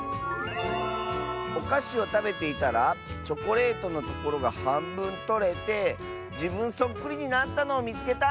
「おかしをたべていたらチョコレートのところがはんぶんとれてじぶんそっくりになったのをみつけた！」。